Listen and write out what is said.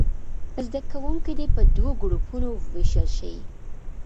زده کوونکي دې په دوو ګروپونو ووېشل شي.